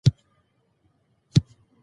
علم د نوښت سرچینه ده.